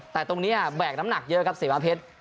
แต่ตรงนี้แบกน้ำหนักเยอะครับเสมอเพชร